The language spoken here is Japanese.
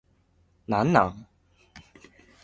何なん